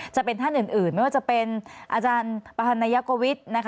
จะเป็นท่านอื่นไม่ว่าจะเป็นอาจารย์ประธานนายกวิทย์